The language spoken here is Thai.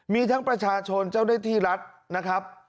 มีทั้งประชาชนเจ้าหน้าที่รัฐนะครับ